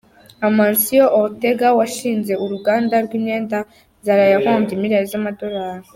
Amancio Ortega, washinze uruganda rw’imyenda, Zara, yahombye miliyari z’amadolari.